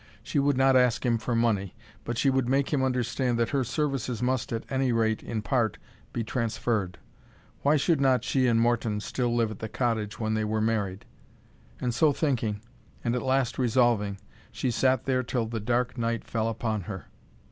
She would not ask him for money, but she would make him understand that her services must, at any rate in part, be transferred. Why should not she and Morton still live at the cottage when they were married? And so thinking, and at last resolving, she sat there till the dark night fell upon her.